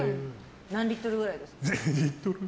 何リットルくらいですか？